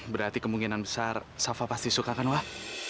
berarti kemungkinan besar safa pasti suka kan wah